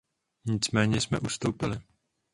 Nicméně jsme ustoupili.